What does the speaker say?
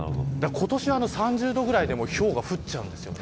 今年は３０度くらいでもひょうが降っちゃうんですよね。